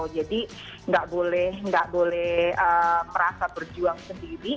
jadi enggak boleh merasa berjuang sendiri